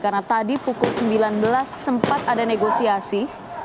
karena tadi pukul sembilan belas sempat ada negosiasi